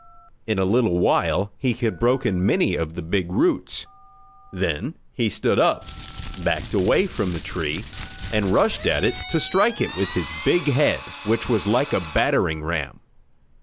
In a little while he had broken many of the big roots. Then he stood up, backed away from the tree, and rushed at it to strike it with his big head which was like a battering ram.